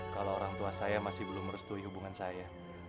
kalau orang tua saya masih belum merestui hubungan saya